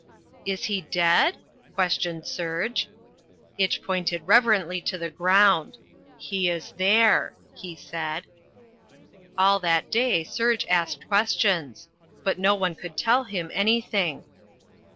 "Is he dead?" questioned Serge. Itch pointed reverently to the ground "He is there!" he said. All that day Serge asked questions. But no one would tell him anything.